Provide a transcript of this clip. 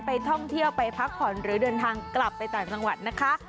ไปท่องเที่ยวไปพักผ่อนหรือเดินทางกลับไปต่างจังหวัดนะคะ